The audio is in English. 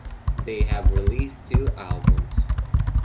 They have released two albums.